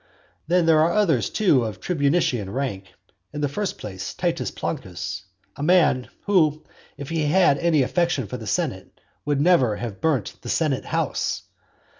Then there are others too, of tribunitian rank: in the first place, Titus Plancus; a man who, if he had had any affection for the senate, would never have burnt the senate house.